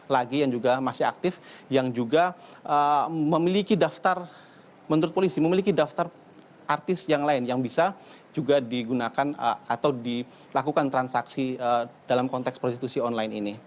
lagi yang juga masih aktif yang juga memiliki daftar menurut polisi memiliki daftar artis yang lain yang bisa juga digunakan atau dilakukan transaksi dalam konteks prostitusi online ini